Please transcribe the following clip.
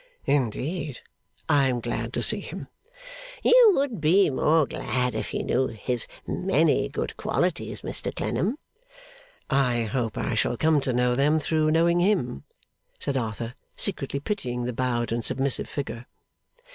'Indeed? I am glad to see him.' 'You would be more glad if you knew his many good qualities, Mr Clennam.' 'I hope I shall come to know them through knowing him,' said Arthur, secretly pitying the bowed and submissive figure.